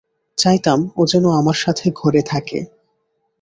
চাইতাম ও যেন আমার সাথে ঘরে থাকে।